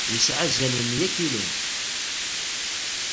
Yesɛa azal n mya kilu.